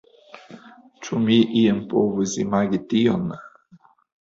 Ĉu mi iam povus imagi tion?